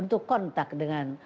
untuk kontak dengan